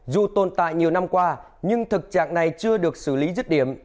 dù tồn tại nhiều năm qua nhưng thực trạng này chưa được xử lý dứt điểm